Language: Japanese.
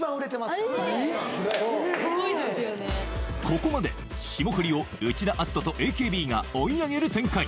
すごいここまで霜降りを内田篤人とＡＫＢが追い上げる展開